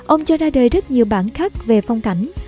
ông cho ra đời rất nhiều bản khắc về phong cảnh